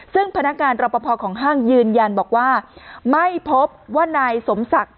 ซึ่งพนักงานรอปภของห้างยืนยันบอกว่าไม่พบว่านายสมศักดิ์